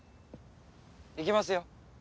行きますよ。